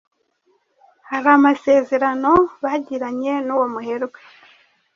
hari amasezerano bagiranye nuwo muherwe